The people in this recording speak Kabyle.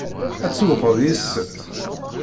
Ad tsewwqeḍ yid-sent?